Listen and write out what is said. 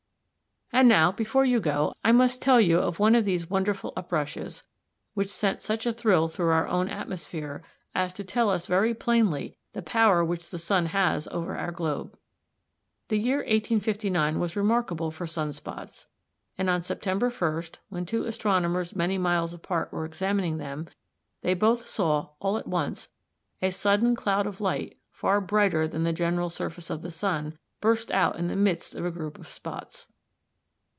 And now, before you go, I must tell you of one of these wonderful uprushes, which sent such a thrill through our own atmosphere, as to tell us very plainly the power which the sun has over our globe. The year 1859 was remarkable for sun spots, and on September 1, when two astronomers many miles apart were examining them, they both saw, all at once, a sudden cloud of light far brighter than the general surface of the sun burst out in the midst of a group of spots.